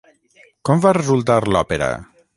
Com va resultar l'òpera?